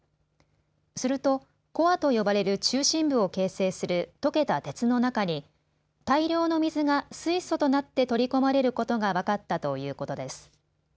すると、コアと呼ばれる中心部を形成する溶けた鉄の中に大量の水が水素となって取り込まれることが分かったということです。